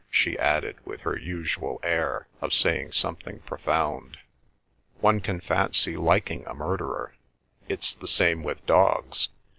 she added, with her usual air of saying something profound. "One can fancy liking a murderer. It's the same with dogs.